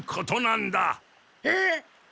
えっ！